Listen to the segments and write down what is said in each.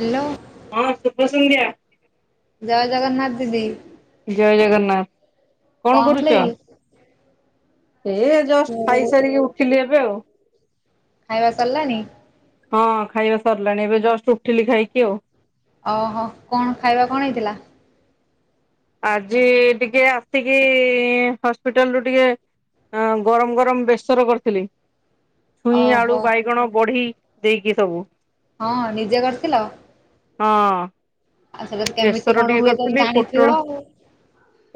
Hello. ହଁ ଶୁଭ ସନ୍ଧ୍ୟା। ଜୟ ଜଗନ୍ନାଥ ଦିଦି। ଜୟ ଜଗନ୍ନାଥ କଣ କରୁଥିଲେ କରୁଛ? କି? ଜଷ୍ଟ ମୁଁ ଖାଇସାରିକି ଉଠିଲି ଏବେ ଆଉ। ଖାଇବା ସରିଲାନି। ହଁ ଖାଇବା ସରିଲାଣି ଏବେ ଜଷ୍ଟ ଉଠିଲି ଖାଇକି ଆଉ। ଅହ କଣ ଖାଇବା କଣ ହେଇଥିଲା? ଆଜି ଟିକେ ଆସିକି ହସ୍ପିଟାଲ ରୁ ଟିକେ ହ ଗରମ ଗରମ ବେସର କରିଥିଲି। ଛୁଇଁ ଆଳୁ ଓହୋ ବାଇଗଣ ବଢି ଦେଇକି ସବୁ। ହଁ ନିଜେ କରିଥିଲ? ହଁ ଆଉ ସେଟା କେମିତି କଣ ବେସର ଟିକେ ହୁଏ ତମେ କରିଥିଲି ଜାଣିଥିବ ପୋଟଳ ଆଉ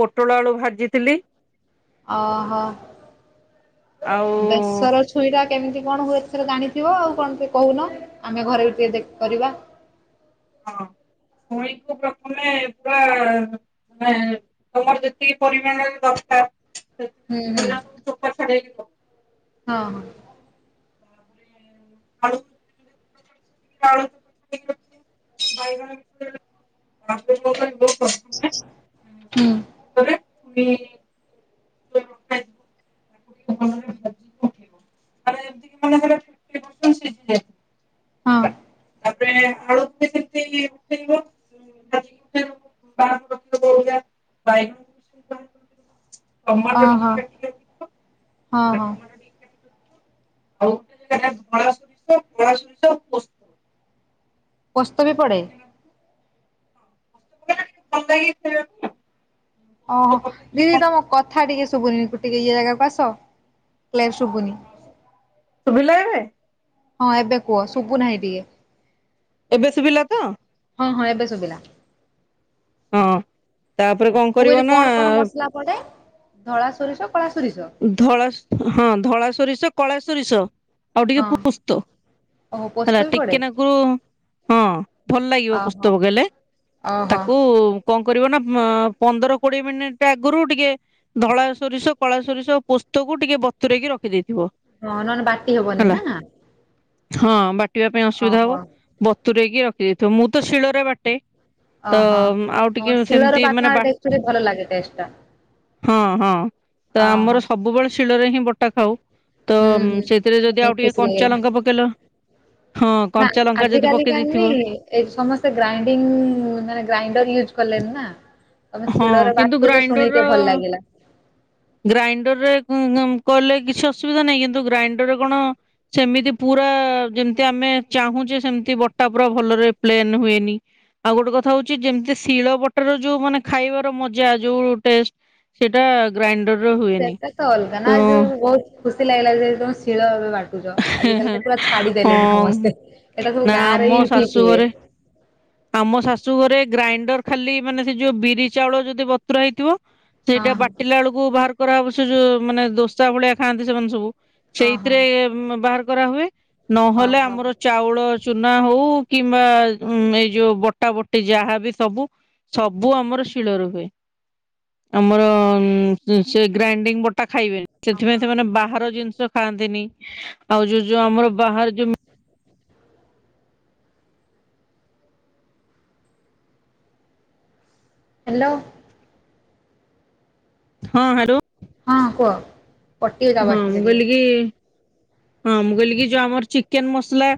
ପୋଟଳ ଆଳୁ ଭାଜିଥିଲି। ଅହ ଆଉ ବେଶର ଛୁଇଁଟା କେମିତି କଣ ହୁଏ ଏଥର ଜାଣିଥିବ ଆଉ କଣ ଟିକେ କହୁନ ଆମେ ଘରେ ବି ଦେ ଟିକେ କରିବା। ହଁ ଛୁଇଁକୁ ପ୍ରଥମେ ପୁରା ମାନେ ତମର ଯେତିକି ପରିମାଣରେ ଦରକାର ହୁଁ ସେତିକି ହୁଁ। ଛୁଇଁର ସବୁ ଚୋପା ଛଡେଇବ। ହଁ ହଁ। ତାପରେ ଆଳୁ। [inaudible] ହୁଁ [unintelligible] ରଖାହେଇଥିବ ତାକୁ ଟିକେ ଭଲରେ ଭାଜିକି [inaudible] ଉଠେଇବ [unintelligible] ହଁ ତାପରେ ଆଳୁକୁ [unintelligible] [unintelligible] ଟମାଟୋ ଟିକେ ଓହୋ କାଟିିକି ହଁ ରଖିବ ହଁ ଟମାଟୋ ଟିକେ କାଟି ଆଉ ଗୋଟେ ଜାଗାରେ ଧଳା ସୋରିଷ କଳା ସୋରିଷ ପୋସ୍ ପୋସ୍ତ ବି ପଡ଼େ। ହଁ ପକେଇଲେ ଭଲ ଲାଗେ ଖାଇବାକୁ। ଅହ ପୋସ୍ତ ପକେଇକି ଦିଦି କଣ ତମ କଥା ଟିକେ ଶୁଭୁନି ଗୋଟିକେ ଇଏ ଜାଗାକୁ ଆସ କ୍ଲିଅର୍ ଶୁବୁନି। କରିବୁ ଶୁଭିଲା ଏବେ। ହଁ ଏବେ କୁହ ଶୁଭୁ ନାହିଁ ଟିକେ। ଏବେ ଶୁଭିଲା ତ। ହଁ ହଁ ଏବେ ଶୁଭିଲା। ହଁ ତାପରେ କଣ କରିବ ନା କଣଟେ ଧଳା ସୋରିଷ କଳା ସୋରିଷ। ଧଳା ହଁ ଧଳା ସୋରିଷ କଳା ସୋରିଷ। ଆଉ ଟିକେ ହଁ ପୁସ୍ତ ଓହୋ ପୋସ୍ତ ହେଲା ବି ପଡେ ଟିକେନାଗରୁ ହଁ ଭଲ ଲାଗିବ ଓହୋ। ପୁସ୍ତ ପକେଇଲେ ଓହୋ ତାକୁ କଣ କରିବ ନା ପନ୍ଦର କୋଡିଏ ମିନିଟ୍ ଆଗରୁ ଟିକେ ଧଳା ସୋରିଷ କଳା ସୋରିଷ ଯୋଉ ପୋସ୍ତ କୁ ଟିକେ ବତୁରେଇକି ରଖି ଦେଇଥିବ। ହଁ ନହେଲେ ବାଟି ହବନି ନା। ହଁ ବାଟିବା ପାଇଁ ଅସୁବିଧା ଓହୋ ହବ ବତୁରେଇକି ରଖିଦେଇଥିବ। ମୁଁ ତ ଶିଳରେ ବାଟେ। ତ ଓହୋ। ଆଉ ହଁ ଟିକେ ଶିଳରେ ସେମିତି ବାଟଣ ମାନେ ବା ଟା ଆକ୍ଚୁଆଲି ଭଲ ଲାଗେ ଟେଷ୍ଟ ଟା ହଁ ହଁ ତ ଓହୋ ଆମର ସବୁବେଳେ ଶିଳରେ ହିଁ ବଟା ଖାଉ। ତ ହୁଁ ହୁଁ। ସେଥିରେ ଯଦି ବହୁତ ଆଉ ଟିକେ ଖୁସି କଞ୍ଚା ଲାଗିଲା ଲଙ୍କା ପକେଇଲ। ହଁ କଞ୍ଚା ଲଙ୍କା ଯଦି ପକେଇ ଦେଇଥିବ। ଏଇ ସମସ୍ତେ ଗ୍ରାଇଣ୍ଡିଙ୍ଗ ମାନେ ଗ୍ରାଇଣ୍ଡର ୟୁଜ କଲେଣି ନା। ତମେ ହଁ ଶିଳର କିନ୍ତୁ ବାଟୁଚ ଶୁଣିକି ଟିକେ ଭଲ ଲାଗିଲା। ଗ୍ରାଇଣ୍ଡର ରେ କଲେ କିଛି ଅସୁବିଧା ନାହିଁ କିନ୍ତୁ ଗ୍ରାଇଣ୍ଡରରେ କଣ ସେମିତି ପୁରା ଯେମିତି ଆମେ ଚାହୁଁଛେ ସେମିତି ବଟା ପୁରା ଭଲରେ ପ୍ଲେନ ହୁଏନି। ଆଉ ଗୋଟେ କଥା ହୋଉଚି ଯେମିତି ଶିଳ ବଟାରେ ଯୋଉ ମାନେ ଖାଇବାର ମଜା ଯୋଉ ଟେଷ୍ଟ ସେଇଟା ଗ୍ରାଇଣ୍ଡର ର ହୁଏନି ସେଟା ତ ଅଲଗା ନା ତ ଯୋଉ ବହୁତ ଖୁସି ଲାଗିଲା ଯେ ତମେ ଶୀଳ ଏବେ ବାଟୁଚ। ଆଜିକାଲି ତ ପୁରା ଛାଡିଦେଲେଣି ହଁ। ସମସ୍ତେ ଏଇଟା ସବୁ ନା ଗାଁରେ ଆମ ହିଁ ଠିକ୍ ଶାଶୁ ହୁଏ। ଘରେ ଆମ ଶାଶୁ ଘରେ ଗ୍ରାଇଣ୍ଡର ଖାଲି ମାନେ ସେ ଯୋଉ ବିରି ଚାଉଳ ଯଦି ବତୁରା ହେଇଥିବ। ହଁ ସେଇଟା ହଁ ବାଟିଲା ବେଳକୁ ବାହାର କରାହବ ସେ ଯୋଉ ମାନେ ଦୋସା ଭଳିଆ ଖାଆନ୍ତି ସେମାନେ ସବୁ। ହଁ ହଁ ସେଇଥିରେ ବାହାର କରା ହୁଏ ନହେଲେ ଓହୋ ଆମର ଚାଉଳ ଚୁନା ହୋଉ କିମ୍ବା ଯୋଉ ବଟା ବଟି ଯାହାବି ସବୁ ସବୁ ଆମର ଶିଳରେ ହୁଏ। ଆମର ସେ ଗ୍ରାଇଣ୍ଡିଙ୍ଗ ବଟା ଖାଇବେନି। ହଁ ସେଥିପାଇଁ ସେମାନେ ହଁ। ବାହାର ଜିନିଷ ଖାଆନ୍ତିନି ଆଉ ଯୋଉ ଯୋଉ ଆମର ବାହାର ଯୋଉ ହ୍ୟାଲୋ। ହଁ ହାଲୋ। ହଁ କୁହ। କଟିଯାଉଛି ହଁ ଆବାଜ ମୁଁ ଟିକେ ଟିକେ କହିଲି କି ହଁ ମୁଁ କହିଲି କି ଯୋଉ ଆମର ଚିକେନ ମସଲା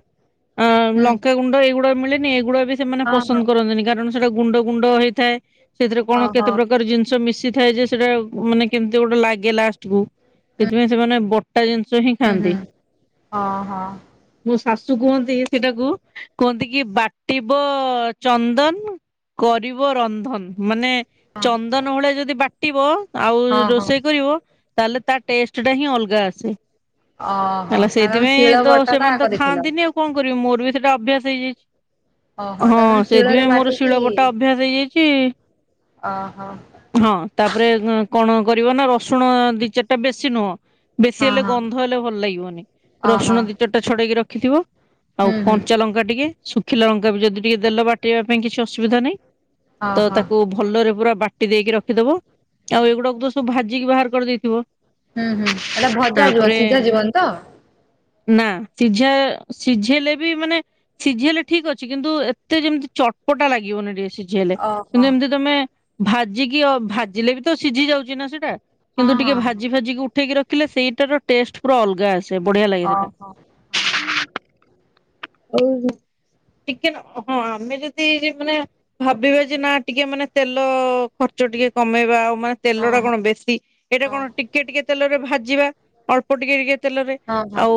ଅ ହୁଁ ଲଙ୍କା ଗୁଣ୍ଡ ଏଇଗୁଡା ମିଳେନି ଏଇଗୁଡା ବି ସେମାନେ ହଁ ହଁ। ପସନ୍ଦ କରନ୍ତିନି କାରଣ ସେଟା ଗୁଣ୍ଡ ଗୁଣ୍ଡ ହେଇଥାଏ ସେଥିରେ କଣ ଓହୋ କେତେ ପ୍ରକାର ଜିନିଷ ସେ ମିଶିଥାଏ ଯେ ସେଇଟା ମାନେ କେମିତି ଗୋଟେ ଲାଗେ ଲାଷ୍ଟକୁୁ। ହୁଁ ସେଥିପାଇଁ ସେମାନେ ବଟା ଜିନିଷ ହିଁ ହୁଁ ହୁଁ ଖାଆନ୍ତି ହଁ ହଁ। ମୋ ଶାଶୁ କୁହନ୍ତି ସେଟାକୁ କୁହନ୍ତି କି ବାଟିବ ଚନ୍ଦନ। କରିବ ରନ୍ଧନ ମାନେ ହଁ ଚନ୍ଦନ ଭଳିଆ ଯଦି ବାଟିବ ଆଉ ହଁ ହଁ। ରୋଷେଇ କରିବ ତାହେଲେ ତା ଟେଷ୍ଟ ଟା ହିଁ ଅଲଗା ଆସେ ଓହୋ ହେଲେ ନା ତମେ ଶିଳ ସେଇଥିପାଇଁ ତ ବଟା ଟା ସେମାନେ ତ କରିଥିଲ ଖାଆନ୍ତିନି ଆଉ। କଣ କରିବି ମୋର ବି ସେଟା ଅଭ୍ୟାସ ହେଇଯାଇଚି। ଓହୋ ହଁ ତମେ ଶିଳରେ ସେଇଥିପାଇଁ ମୋର ବାଟିକି ଶିଳବଟା ଅଭ୍ୟାସ ହେଇଯାଇଛି। ଓହୋ ହଁ ତାପରେ କଣ କରିବ ନା ରସୁଣ ଦି ଚାରିଟା ବେଶୀ ନୁହଁ। ବେଶୀ ହଁ ହେଲେ ହଁ ଗନ୍ଧ ହେଲେ ଭଲ ଲାଗିବନି ରସୁଣ ଓହୋ ଦି ଚାରିଟା ଛଡେଇକି ରଖିଥିବ। ଆଉ ହୁଁ କଞ୍ଚା ହୁଁ। ଲଙ୍କା ଟିକେ ଶୁଖିଲା ଲଙ୍କାବି ଯଦି ଟିକେ ଦେଲ ବାଟିବା ପାଇଁ କିଛି ଅସୁବିଧା ନାହିଁ। ତ ଓହୋ ତାକୁ ଭ ଭଲରେ ପୁରା ବାଟି ଦେଇକି ରଖିଦବ। ଆଉ ଏଗୁଡାକ ତ ସବୁ ଭାଜିକି ବାହାର କରିଦେଇଥିବ। ହୁଁ ହୁଁ ଏଟା ଭଜା ଯିବ। ତାପରେ ସିଝା ଯିବନି ତ? ନା ସିଝା ସିଝେଇଲେ ବି ମାନେ ସିଝି ଗଲେ ଠିକ୍ ଅଛି କିନ୍ତୁ ଏତେ ଯେମିତି ଚଟପଟା ଲାଗିବନି ଟିକେ ସି। ଝି ହେଲେ ଓହୋ କିନ୍ତୁ ଏମିତି ତମେ ଭାଜିକି ଅ ଭାଜିଲେ ବି ତ ସିଝି ଯାଉଛି ନା ସେଟା। ହଁ କିନ୍ତୁ ଟିକେ ହଁ ଭାଜି ଫାଜିିକି ଉଠେଇକି ରଖିଲେ ସେଇଟାର ଟେଷ୍ଟ ପୁରା ଅଲଗା ଆ‌। ଓହୋ ହଁ ହଁ। [unintelligible] ହଁ ଆମେ ଯଦି ମାନେ। ଭାବିବା ଯେ ନା ଟିକେ ମାନେ ତେଲ ଖର୍ଚ୍ଚ ଟିକେ କମେଇବା ଆଉ ମା‌। ତେଲ ଟା ହଁ କଣ ବେଶୀ। ଏଇଟା ହଁ କଣ ଟିକେ ଟିକେ ତେଲରେ ଭାଜିବା ଅଳ୍ପ ଟିକେ ଟିକେ ତେଲରେ। ହଁ ହଁ ଆଉ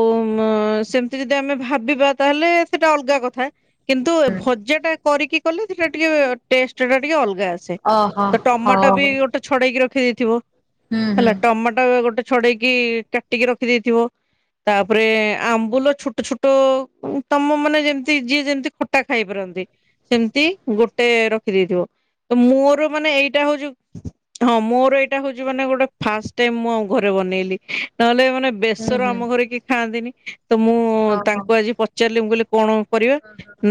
ସେମିତି ଯଦି ଆମେ ଭାବିବା ତାହେଲେ ସେଟା ଅଲଗା କଥା। କିନ୍ତୁ ଏ ଭଜାଟା କରିକି କଲେ ସେଟା ଟିକେ ଟେଷ୍ଟ ଟା ଟିକେ ଅଲଗା ଆସେ। ଓହୋ ତ ଟମାଟୋ ହଉ ବି ହୁଁ ଗୋଟେ ଛଡେଇକି ରଖିଦେଇଥିବ ହୁଁ ହେଲା ଟମାଟୋ ଗୋଟେ। ଛଡେଇକି କାଟିକି ରଖିଦେଇଥିବ ତାପରେ ଆମ୍ବୁଲ ଛୋଟ ଛୋଟ। ତମ ମନେ ଯେମିତି ଯିଏ ଯେମିତି ଖଟା ଖାଇ ପାରନ୍ତି। ସେମିତି ଗୋଟେ ରଖିଦେଇଥିବ ତ ମୋର ମାନେ ଏଇଟା ହଉଛି। ହଁ ମୋର ଏଇଟା ହଉଛି ମାନେ ଗୋଟେ ଫାଷ୍ଟ ଟାଇମ୍ ମୁଁ ଆମ ଘରେ ବନେଇଲି ନହେଲେ ମାନେ। ହୁଁ ବେସର ହୁଁ ଆମ ଘରେ କିଏ ଖାଆନ୍ତିନି। ତ ମୁଁ ଓହୋ ତାଙ୍କୁ ଆଜି ପଚାରିଲି। ମୁଁ କହିଲି କଣ। କରିବା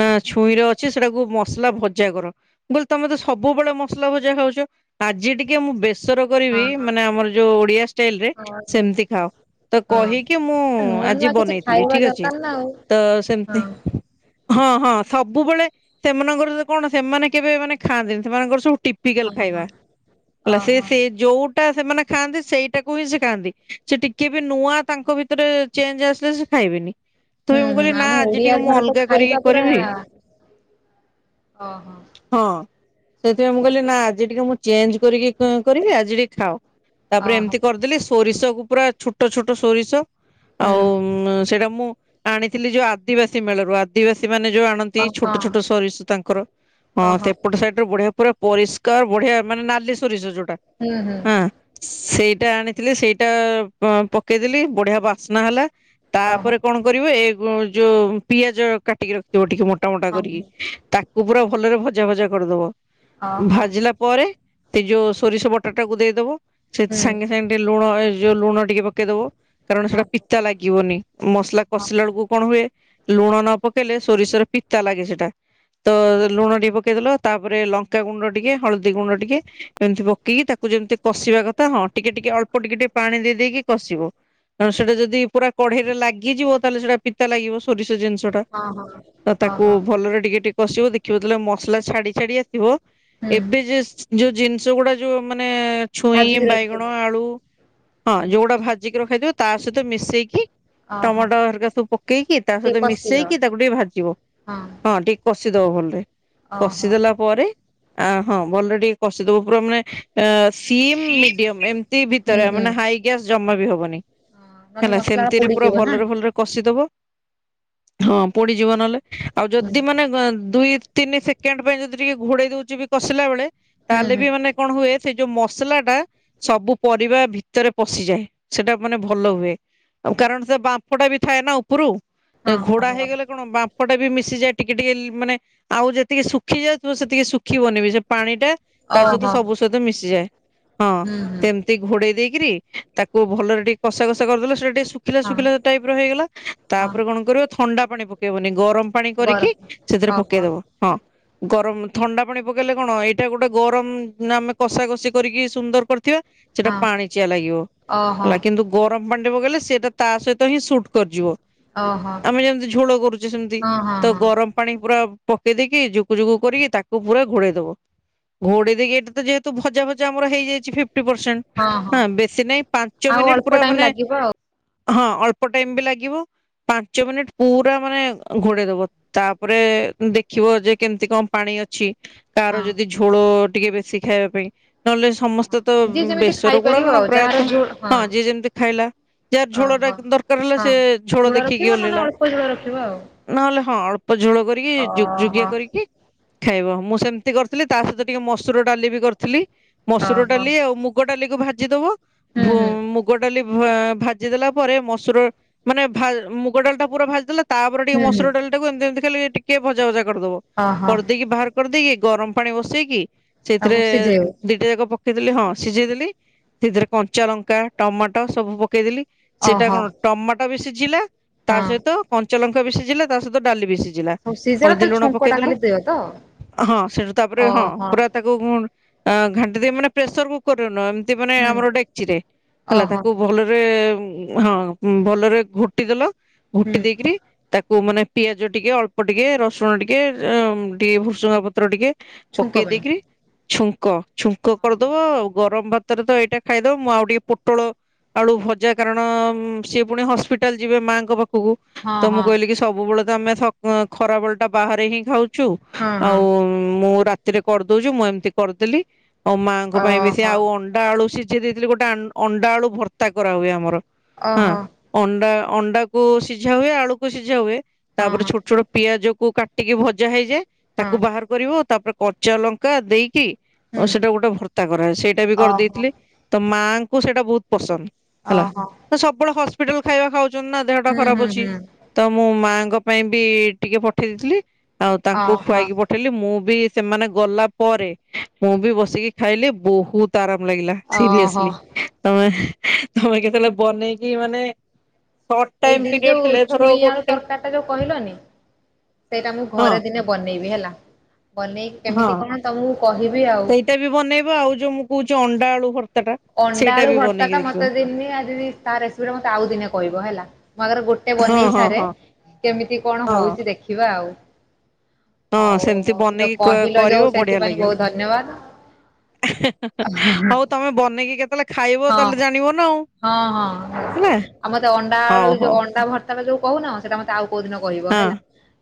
ନା ଛୁଇଁରେ ଅଛି ସେଟାକୁ ମସଲା ଭଜା କର। ବୋଲି ତମେ ତ ସବୁବେଳେ ମସଲା ଭଜା ଖାଉଛ ଆଜି ଟିକେ ମୁଁ ବେ। ସର କରିବି ହଁ ହଁ ମାନେ ଆମର ଯୋଉ ଓଡିଆ ଷ୍ଟାଇଲ ରେ ହଁ ସେମିତି ଖାଅ। ତ ହଁ କହିକି ମୁଁ ନୂଆ ନୂଆ ଆଜି କିଛି ବନେଇଥିଲି ଖାଇବା ଠିକ୍ ଅଛି। ଦରକାର ନା ଆଉ ତ ସେମିତି। ହଁ ହଁ ସବୁବେଳେ ସେମାନଙ୍କର କଣ ସେମାନେ କେବେ ମାନେ ଖାଆନ୍ତିନି। ସେମାନଙ୍କର ସବୁ ଟି‌। ହଁ ଟିକାଲ ହଁ ହଁ ଖାଇବା ହେଲା ସେ ଓହୋ ସେ ଯୋଉ। ଟା ସେମାନେ ଖାଆନ୍ତି ସେଇଟାକୁ ହିଁ ସେ ଖାଆନ୍ତି। ସେ ଟିକେ ବି ନୂଆ ତାଙ୍କ ଭିତରେ ଚେଞ୍ଜ ଆସିଲେ ସେ ଖାଇବେନି। ହୁଁ ତଥାପି ମୁଁ ହୁଁ କହିଲି ନା ଆମ ଆଜି ଓଡିଆ ଟିକେ ମୁଁ ଘର ତ ଅଲଗା କରିକି ଖାଇବା ପୁରା କରିବି। ଓହୋ ହଁ ସେଥିପାଇଁ ମୁଁ କହିଲି ନା ଆଜି ଟିକେ ମୁଁ ଚେଞ୍ଜ କରିକି କ। କରିବି ଆଜି ବି ଖାଅ। ତାପରେ ଓହୋ ଏମିତି କରିଦେଲି। ସୋରିଷ କୁ ପୁରା ଛୋଟ ଛୋଟ ସୋରିଷ। ହୁଁ ଆଉ ସେଇଟା ମୁଁ ଆଣିଥିଲି ଯୋଉ ଆଦିବାସୀ ମେଳାରୁ ଆଦିବାସୀ ମାନେ ଯୋଉ ଆଣ। ନ୍ତି। ଛୋଟ ଓହୋ ଛୋଟ ସୋରିଷ ତାଙ୍କର ହ ଓହୋ ଏପଟ ସାଇଡରେ ବଢିଆ ପୁରା ପରିଷ୍କା। କାର ବଢିଆ ମାନେ ନାଲି ସୋରିଷ ଯୋଉଟା। ହୁଁ ହୁଁ। ହଁ ସେଇଟା ଆଣିଥିଲେ ସେଇଟା ପକେଇଦେଲି ବଢିଆ ବାସ୍ନା ହେଲା। ତାପରେ ଓହୋ କଣ କରିବ। ଏ ଯୋଉ ପିଆଜ କାଟିକି ରଖିଥିବ ଟିକେ ମୋଟା ମୋଟା ହଁ କରିକି। ହଁ ତାକୁ ପୁରା ଭଲରେ ଭଜା ଭଜା କରିଦବ ଓହୋ ଭାଜିଲା। ପରେ ସେ ଯୋଉ ସୋରିଷ ବଟା ଟାକୁ ଦେଇଦବ ସେ ହୁଁ ସାଙ୍ଗେ ସାଙ୍ଗେ। ଲୁଣ ଏ ଯୋଉ ଲୁଣ ଟିକେ ପକେଇଦବ କାରଣ ସେଟା ପିତା ଲାଗିବନି ମସଲା କଷିଲା ବେଳକୁ। କଣ ହୁଏ? ଲୁଣ ନ ପକେଇଲେ ସୋରିଷର ପିତା ଲାଗେ ସେଟା। ତ ଲୁଣ ଟିକେ ପକେଇଦେଲ ତାପରେ ଲଙ୍କା ଗୁଣ୍ଡ ଟିକେ ହଳଦୀ ଗୁଣ୍ଡ ଟିକେ। ଏମିତି ପକେଇକି ତାକୁ ଯେମିତି କଷିବା କଥା ହଁ ଟିକେ ଟିକେ ଅଳ୍ପ ଟିକେ ଟିକେ ପାଣି ଦେଇ ଦେଇଦେଇକି କଷିବ। କାରଣ ସେଇଟା ଯଦି ପୁରା କଢେଇରେ ଲାଗିଯିବ। ତାହେଲେ ସେଟା ପିତା ଲାଗିବ ସୋରିଷ ଜିନିଷ ଟା ଓହୋ ତ ତାକୁ ଓହୋ ଭଲରେ ଟିକେ। କଷିବ ଦେଖିବ ଯେତେବେଳେ ମସଲା ଛାଡି ଛାଡି ଆସିବ। ହୁଁ ଏବେ ଯୋଉ ଜିନିଷ ଗୁଡା। ଯୋଉ ମାନେ ଛୁଇଁ ଭାଜିକି ରଖିଥିବୁ ବାଇଗଣ ଆଳୁ। ହଁ ଯୋଉଗୁଟା ଭାଜିକି ରଖାହେଇଥିବ ତା ସହିତ ମିଶେଇକି। ଅଁ ହଁ। ଏ ସବୁ ପକେଇକି ତା ସହିତ ମିଶେଇକି ତାକୁ ଟିକେ ଭାଜିବ। ହଁ ଟିକେ କଷିଦବ ଭଲରେ। ଓହୋ କଷିଦେଲା ପରେ ଆଁ ହଁ ଭଲରେ ଟିକେ କଷିଦବୁ ପୁରା ମାନେ ଆଁ। ସିମ୍ ମିଡିୟମ ଏମିତି ହୁଁ ଭିତରେ ହୁଁ ମାନେ ହାଇ ଗ୍ୟାସ୍ ଜମା ବି ହବନି। ନହେଲେ ହେଲା ମସଲା ସେମିତିରେ ପୁରା ପୋଡିଯିବ ନା ଭଲରେ ଭଲରେ କଷିଦବ ହଁ ପୋଡିଯିବ ନହେଲେ ଆଉ ହୁଁ ଯଦି ମାନେ ଦୁଇ ତିନି ସେକେଣ୍ଡ ପାଇଁ ଯଦି ଟିକେ ଘୋଡେଇ ଦଉଛି କଷିଲା ବେଳେ ହୁଁ ତାହେଲେ ହୁଁ ହଁ ବି ମାନେ କଣ ହୁଏ ସେ ଯଉ ମସଲା ଟା ସବୁ ପରିବା ଭିତରେ ପଶିଯାଏ ସେଟା ମାନେ ଭଲ ହୁଏ ଆଉ କାରଣ ସେ ବା ବାମ୍ଫ ଟା ବି ଥାଏ ନା ଉପରୁ ଘୋଡା ଓହୋ ହେଇଗଲେ କଣ ବା ବାମ୍ପପଟା ବି ମିଶିଯାଏ ଟିକେ ଟିକେ ମାନେ ଆଉ ଯେତିକି ଶୁଖି ଯାଉଥିବ ସେତିକି ଶୁଖିବନି ବିି ସେ ପାଣି ଟା ତା ସହିତ ଓହୋ! ସବୁ ସହିତ ମିଶିଯାଏ ହଁ ହୁଁ ହୁଁ ସେମ ଟିକେ ଘୋଡେଇ ଦେଇକରି ତାକୁ ଭଲରେ ଟିକେ କଷା କଷା କରିଦେଲେ ସେଟା ଟିକେ ଶୁଖିଲା ହଁ ଶୁଖିଲା ଟାଇପ୍ ର ହେଇଗଲା ହଁ ତାପରେ କଣ କରିବ ଥଣ୍ଡା ପାଣି ପକେଇବନି ଗରମ ପାଣି କରିକି ଗରମ ସେଥିରେ ଓହୋ ପକେଇଦବ ହଁ। ଗରମ ଥଣ୍ଡା ପାଣି ପକେଇଲେ କଣ ଏଇଟା ଗୋଟେ ଗରମ ଆମେ କଷା କଷି କରିକି ସୁନ୍ଦର କରିଥିବା। ସେଟା ହଁ ପାଣି ଚିଆ ଲାଗିବ ଓହୋ ହେଲା କିନ୍ତୁ ଗରମ ପାଣି ଟା ପକେଇଲେ ସେଏତ ତା ସହିତ ହିଁ ସୁଟ୍ କରିିଯିବ ଓହୋ ଆମେ ଯେମିତି ଝୋଳ କରୁଛେ ସେମତି ହଁ ହଁ ହଁ ତ ହଁ ଗରମ ପାଣି ପୁରା ପକେଇ ଦେଇକି ଯୁକୁ ଯୁକୁ କରିକି ତାକୁ ପୁରା ଘୋଡେଇ ଦବୁ। ଘୋଡେଇ ଦେଇକି ଏଟ ତ ଯେହେତୁ ଭଜା ଭଜା ଆମର ହେଇଯାଇଛି ଫିଫ୍ଟି ପରସେଣ୍ଟ। ହଁ ବେଶୀ ନାହିଁ ପାଞ୍ଚ ଆଉ ମିନିଟ୍ ପୁରା ଅଳ୍ପ ଟାଇମ ମାନେ ଲାଗିବ ଆଉ ହଁ ଅଳ୍ପ ଟାଇମ୍ ବି ଲାଗିବ। ପାଞ୍ଚ ମିନିଟ୍ ପୁରା ମାନେ ଘୋଡେଇ ଦବ। ତାପରେ ଦେଖିବ ଯେ କେମିତି କଣ ପାଣି ଅଛି? ତାର ହଁ ଯଦି ଝୋଳ ଟିକେ ବେଶି ଖାଇବା ପାଇଁ ନହେଲେ ସମସ୍ତେ ତ ଯିଏ ଯେମିତି ବେସର ଗୁଡା ଖାଇପାରିବ କଣ ଆଉ ଯାହାର ପ୍ରାୟତଃ ଝୋଳ ହଁ ଯିଏ ଯେମିତି ଖାଇଲା। ଯାହାର ଝୋଳ ଟା ଓହୋ ଦରକାର ହେଲା ହଁ ସେ ଝୋଳ ରଖିବ ଦେଖିକି ନହେଲେ ଓ୍ଲେଇଲା। ଅଳ୍ପ ଝୋଳ ରଖିବ ଆଉ। ନହେଲେ ହଁ ଅଳ୍ପ ଝୋଳ କରିକି ଯୁଗ ଓହୋ ଯୁଗିଆ କରିକି ଖାଇବ ମୁଁ ସେମିତି କରିଥିଲି ତା ସହିତ ଟିକେ ମସୁର ଡାଲି ବି କରିଥିଲି। ମସୁର ଓହୋ ଡାଲି ଆଉ ମୁଗ ଡାଲିକୁ ଭାଜିଦବ ହୁଁ ହୁଁ ମୁଗ ଡାଲି ଭା ଭାଜି ଦେଲା ପରେ ମସୁର ମାନେ ଭା ମୁଗ ଡାଲି ଟା ପୁରା ଭାଜିଦେଲେ ତାପରେ ଟିକେ ହୁଁ ମସୁର ହୁଁ ଡାଲି ଟାକୁ ଏମତି ଏମତି ଖାଲି ଟିକେ ଭଜା ଭଜା କରିଦବ ଓହୋ କରିଦେଇିକି ବାହାର କରିଦେଇକି ଗରମ ପାଣି ବସେଇକି ସେଇଥିରେ ତାକୁ ସିଝେଇବ ଦିଟା ଯାକ ପ ପକେଇଦେଲି ହଁ ସିଝେଇ ଦେଲି ସେଥିରେ କଞ୍ଚା ଲଙ୍କା ଟମାଟୋ ସବୁ ପକେଇଦେଲି ସେଇଟା ଓହୋ କଣ ଟମାଟୋ ବି ସିଝିଲା ତା ହଁ ସହିତ କଞ୍ଚା ଲଙ୍କା ବି ସିଝିଲା ତା ସହିତ ଡାଲି ବି ସିଝି ଜିଲା ସବୁ ସିଝାର ହଳଦୀ ଖାଲି ଲୁଣ ଛୁଙ୍କ ଟା ପକେଇଦେଲୁ ଖାଲି ଦିଅ ତ ହଁ ସେଠୁ ତାପରେ ହଁ ଓହୋ ପୁରା ତା କୁ ହଁ ଘାଣ୍ଟି ଦେଇକି ମାନେ ପ୍ରେସର କରନ ଏମତି ମାନେ ହୁଁ। ଆମର ଡେ଼କଚି ରେ ହେଲେ ଓହୋ ତାକୁ ଭଲରେ ହଁ ଉଁ ଭଲରେ ଘୋଟିଦଲ ହୁଁ ଘୋଟି ଦେଇ କିରି ତାକୁ ମାନେ ପିଆଜ ଟିକେ ଅଳ୍ପ ଟିକେ ରସୁଣ ଟିକେ ଅମୁଲ ଟିକେ ଭୃସୁଙ୍ଗା ପତ୍ର ଟିକେ ଛୁଙ୍କ ପକେଇ ପାଇଁ ଦେଇ କିରି ଛୁଙ୍କ ଛୁଙ୍କ କରିଦବ ଆଉ ଗରମ ଭାତ ତରେ ତ ଏଇଟା ଖାଇଦବ ମୁଁ ଆଉ ଟିକେ ପୋଟଳ ଆଳୁ ଭଜା କାରଣ ସିଏ ପୁଣି ହସ୍ପିଟାଲ ଯିବେ ମାଙ୍କ ପାଖକୁ ହଁ ତ ମୁଁ ହଁ କହିଲି କି ସବୁବେଳେ ତ ଆମେ ସ ଖରାବେଳ ଟା ବାହାରେ ହିଁ ଖାଉଛୁ ହଁ ହଁ ଆଉ ମୁଁ ରାତିରେ କରିଦଉଛି ମୁଁ ଏମିତି କରିଦେଲି ଆଉ ମାଙ୍କ ପାଇଁ ବି ସେ ଓହୋ ଆଉ ଅ ଅଣ୍ଡା ଆଳୁ ସିଝେଇ ଦେଇଥିଲି ଗୋଟେ ଆ ଅଣ୍ଡା ଆଳୁ ଭର୍ତା କରାହୁୁଏ ଆମର। ହଁ ଅହୋ। ଅଣ୍ଡା ଅଣ୍ଡାକୁ ସିଝା ହୁଏ ଆଳୁକୁ ସିଝା ହୁଏ ହଁ ତାପରେ ହଁ ଛୋଟ ଛୋଟ ପିଆଜ କୁ କାଟିକି ଭଜା ହେଇଯାଏ ହଁ ତାକୁ ବାହାର କରିବ ତାପରେ କଚା ଲଙ୍କା ଦେଇକି ହୁଁ ଓ ସେଇଟା ଗୋଟେ ଭର୍ତ୍ତା କରାଏ, ସେଇଟା ବି ଓହୋ କରିଦେଇଥିଲି, ତ ମାଆଙ୍କୁ ସେଇଟା ବହୁତ ପସନ୍ଦ। ହେଲା, ଓହୋ ତ ସବୁବେଳେ ହସ୍ପିଟାଲ ଖାଇବା ଖାଉଛନ୍ତି ନା ଦେହ ଟା ହୁଁ ଖରାପ ହୁଁ ଅଛି। ହୁଁ ତ ମୁଁ ମାଆଙ୍କ ପାଇଁ ବି ଟିକେ ପଠେଇ ଦେଇଥିଲି ଆଉ ତାଙ୍କୁ ଓହୋ ଖୁଆଇକି ପ ଥିଲି, ମୁଁ ବି ସେମାନେ ଗଲା ପରେ ମୁଁ ବି ବସିକି ଖାଇଲି, ବହୁତ ଆରାମ ଲାଗିଲା, ସିରିଅସଲି ଓହୋ ତମେ ତମେ କେତେବେଳେ ବନେଇକି ମାନେ ଟ ଏଇ ଟାଇମ୍ ଦିଦି ପିରିୟଡ ଯୋଉ ଥିଲେ ଧର ଛୁଇଁ ଆଳୁ ଗୋଟେ ତରକାରୀ ଯୋଉ କହିଲନି ସେଇଟା ମୁଁ ହଁ ଘରେ ଦିନେ ବନେଇବି ହେଲା, ବନେଇ କେମିତି କଣ ତମକୁ କହିବି ଆଉ। ଏତେ ବି ବନେଇବା ଆଉ ଯେଉଁ ମୁଁ କହୁଛି ଅଣ୍ଡା ଆଳୁ ଭର୍ତ୍ତାଟା ଅଣ୍ଡା ଆଳୁ ଭର୍ତ୍ତା ଟା ମତେ ଦିନି ଆଜି ତା ରେସିପିରେ ମତେ ଆଉ ଦିନେ କହିବ ହେଲା। ମୋ ଆଗରେ ଗୋଟେ ହଁ ବନେଇ ହଁ ସାରେ, ହଁ କେମିତି କଣ ହଁ ହଉଛି ଦେଖିବା ଆଉ। ହଁ ହଉ ସେମିତି ହଉ ବନେଇକି କ କହିଲ ଯୋଉ କରିବ ବଢିଆ ସେଥିପାଇଁ ଲାଗିବ। ବହୁତ ଧନ୍ୟବାଦ। ହଉ ତମେ ବନେଇକି କେତେ ହଁ ହଁ ହଁ ହେଲା ଆଉ ମତେ ଅଣ୍ଡା ଆଳୁ ହଉ ଯୋଉ ହଉ। ଅଣ୍ଡା ଭତ୍ ତା ଯଉ କହୁନ ସେଟା ମତେ ଆଉ କୋଉ ଦିନ କହିବ ହଁ ହେଲା।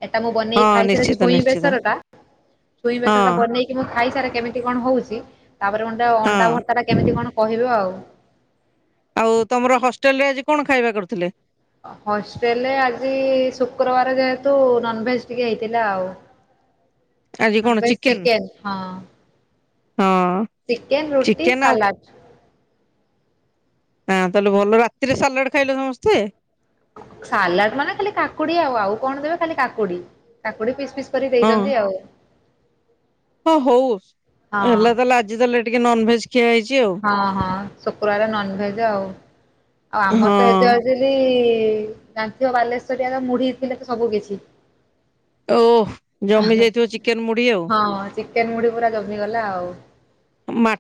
ଏଟା ମୁଁ ବନେଇି ହଁ ଖାଇସାରେ ନିଶ୍ଚିତ ଛୁଇଁ ନିଶ୍ଚିତ ବେସର ଟା ଛୁଇଁ ହଁ ବେସର ଟା ବନେଇକି କି ମୁଁ ଖାଇସାରା କେମିତି କଣ ହଉଛି, ତାପରେ ଗୋଟେ ହଁ। ଅଣ୍ଡା ଭର୍ତା ଟା କେମିତି କଣ କହିବ ଆଉ। ଆଉ ତମର ହଷ୍ଟେଲ ରେ ଆଜି କଣ ଖାଇବା କରୁଥିଲେ? ହଷ୍ଟେଲରେ ଆଜି ଶୁକ୍ରବାର ଯେହେତୁ ନନଭେଜ ଟିକେ ହେଇଥିଲା ଆଉ। ଆଜି କଣ ନନଭେଜ ଚିକେନ? ହଁ ହଁ। ଚିକେନ, ରୁଟି, ଚିକେନ ଆଉ ସାଲାଟ୍। ହଁ ତାହେଲେ ଭଲ ରାତିରେ ସାଲାଡ ଖାଇଲ ସମସ୍ତେ? ସାଲାଡ ମାନେ ଖାଲି କାକୁଡି ଆଉ ଆଉ କଣ ଦେବେ ଖାଲି କାକୁଡି। କାକୁଡି ପିସ୍ ପିସ୍ କରି ହଁ ଦେଇଛନ୍ତି ଆଉ। ହଁ ହଉ ହଁ। ହେଲା ତାହେଲେ ଆଜି ତାହେଲେ ଟିକେ ନନଭେଜ ଖିଆ ହେଇଛି ଆଉ ହଁ ହଁ ଶୁକ୍ରବାର ନନଭେଜ ଆଉ ଆଉ ଆମର ହଁ ତ ଜୟଲି ଜାଣିଥିବ ବାଲେଶ୍ଵରଆଙ୍କ ମୁଢି ଥିଲେ ତ ସବୁ କିଛି ଓଃ ଜମି ଆହାଁ ଯାଇଥିବ ଚିକେନ ମୁଢି ଆଉ ହଁ ଚିକେନ ମୁଢି ପୁରା ଜମିଗଲା ଆଉ। ମା